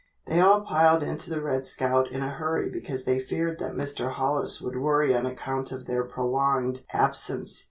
They all piled into the "Red Scout" in a hurry because they feared that Mr. Hollis would worry on account of their prolonged absence.